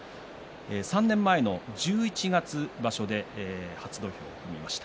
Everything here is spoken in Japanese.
３年前の十一月場所で初土俵を踏みました。